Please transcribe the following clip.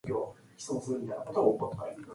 The finish is much the same as for the Surf Rescue.